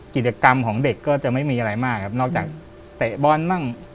กิจกรรมของเด็กก็จะไม่มีอะไรมากครับนอกจากเตะบอลบ้าง